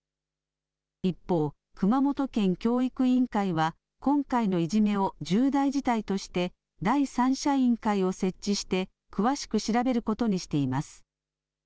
一方、熊本県教育委員会は、今回のいじめを重大事態として、第三者委員会を設置して、詳しく調べることにしています。